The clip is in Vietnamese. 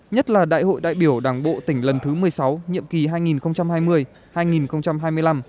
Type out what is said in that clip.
nhất là đại hội đại biểu đảng bộ tỉnh lần thứ một mươi sáu nhiệm kỳ hai nghìn hai mươi hai nghìn hai mươi năm